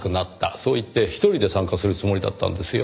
そう言って一人で参加するつもりだったんですよ。